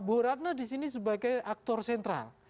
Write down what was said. bu ratna disini sebagai aktor sentral